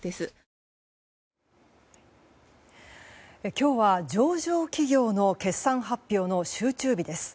今日は上場企業の決算発表の集中日です。